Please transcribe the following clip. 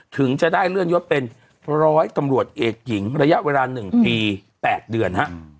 ถึงจะได้เลื่อนยศเป็นร้อยตำรวจเอกหญิงระยะเวลา๑ปี๘เดือนฮะ